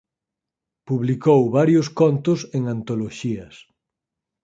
Publicou varios contos en antoloxías.